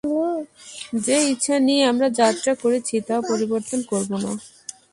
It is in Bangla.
যে ইচ্ছা নিয়ে আমরা যাত্রা করেছি তা পরিবর্তন করব না।